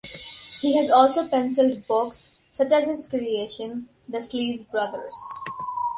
He has also pencilled books, such as his creation "The Sleeze Brothers".